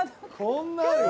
こんなあるよ。